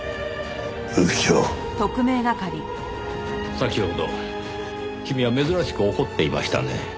先ほど君は珍しく怒っていましたね。